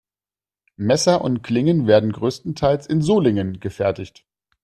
Messer und Klingen werden größtenteils in Solingen gefertigt.